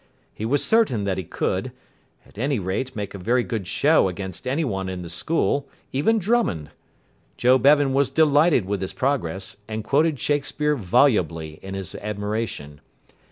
He was certain that he could, at any rate make a very good show against anyone in the school, even Drummond. Joe Bevan was delighted with his progress, and quoted Shakespeare volubly in his admiration.